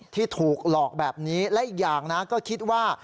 ที่ถูกหลอกแบบนี้และอีกอย่างนะก็คิดว่า